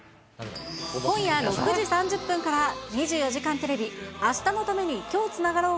今夜６時３０分から２４時間テレビ、明日のために、今日つながろう。